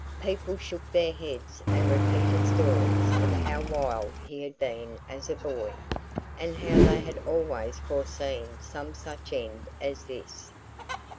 People shook their heads and repeated stories of how wild he had been as a boy, and how they had always foreseen some such end as this.